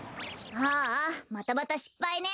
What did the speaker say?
ああまたまたしっぱいね。